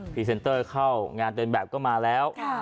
รีเซนเตอร์เข้างานเดินแบบก็มาแล้ว